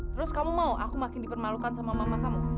terus kamu mau aku makin dipermalukan sama mama kamu